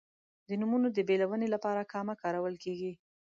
د نومونو د بېلونې لپاره کامه کارول کیږي.